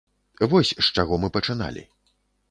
Вось з чаго мы пачыналі.